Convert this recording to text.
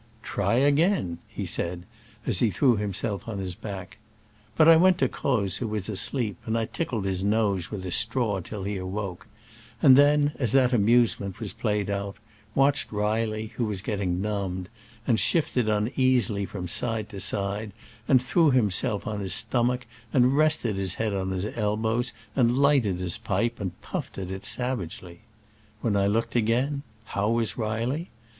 *'Try again," he said as he threw himself on ____ his back. .Stf^^^ But I went ^:^3J to Croz, who was asleep, and tickled his nose with a straw until he awoke; and then, as that amusement was play ed out, watched Reilly, who wa,s getting numbed, and shifted uneasily from side to side, and threw him self on his ^.;ri stomach, "^ and rested, his head on his elbows, and lighted his pipe and puffed at it savagely. When I looked again, how was Reilly?